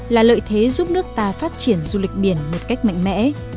là lợi thế giúp nước ta phát triển du lịch biển một cách mạnh mẽ